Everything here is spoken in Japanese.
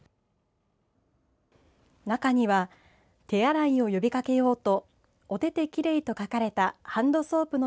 中には手洗いを呼びかけようとおててきれいと書かれたハンドソープの